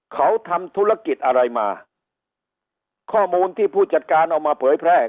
เขาทำธุรกิจอะไรมาข้อมูลที่ผู้จัดการเอามาเผยแพร่